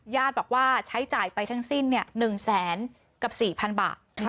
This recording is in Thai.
ญาติบอกว่าใช้จ่ายไปทั้งสิ้น๑แสนกับ๔๐๐๐บาท